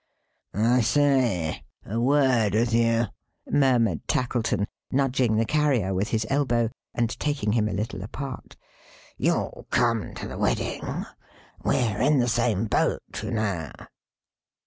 "I say! A word with you," murmured Tackleton, nudging the Carrier with his elbow, and taking him a little apart. "You'll come to the wedding? We're in the same boat, you know."